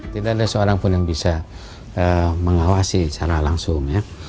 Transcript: tidak ada seorang pun yang bisa mengawasi secara langsung ya